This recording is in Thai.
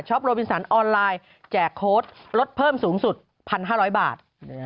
โรบินสันออนไลน์แจกโค้ดลดเพิ่มสูงสุด๑๕๐๐บาท